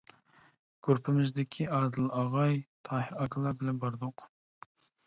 گۇرۇپپىمىزدىكى ئادىل ئاغاي، تاھىر ئاكىلار بىلەن باردۇق.